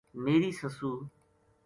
میری سُسو